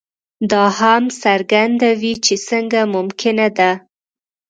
دا هم څرګندوي چې څنګه ممکنه ده.